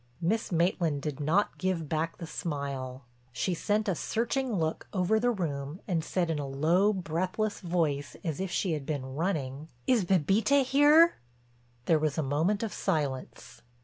Miss Maitland did not give back the smile; she sent a searching look over the room and said in a low, breathless voice as if she had been running: "Is Bébita here?" There was a moment of silence.